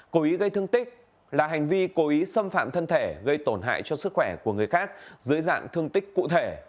cố ý gây thương tích là hành vi cố ý xâm phạm thân thể gây tổn hại cho sức khỏe của người khác dưới dạng thương tích cụ thể